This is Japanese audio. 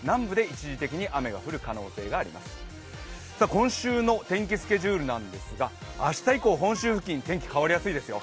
今週の天気スケジュールなんですが明日以降、本州付近、天気変わりやすいですよ。